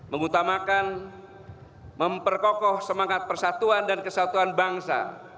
mengutamakan memperkokoh semangat persatuan dan kesatuan bangsa